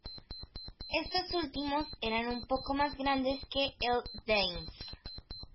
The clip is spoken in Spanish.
Estos últimos eran un poco más grandes que el "Thames".